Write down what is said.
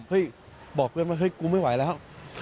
บอกเพื่อนว่าเฮ้ยกูไม่ไหวแล้ว